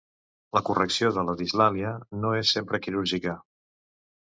La correcció de la dislàlia no és sempre quirúrgica.